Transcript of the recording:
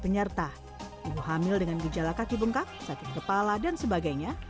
penyerta ibu hamil dengan gejala kaki bengkak sakit kepala dan sebagainya